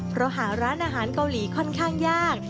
เพราะหาร้านอาหารเกาหลีค่อนข้างยาก